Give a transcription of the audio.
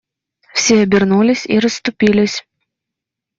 Все обернулись и расступились.